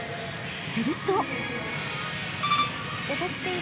［すると］